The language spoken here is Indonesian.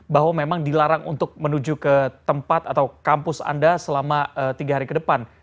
bahwa memang dilarang untuk menuju ke tempat atau kampus anda selama tiga hari ke depan